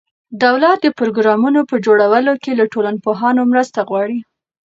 دولت د پروګرامونو په جوړولو کې له ټولنپوهانو مرسته غواړي.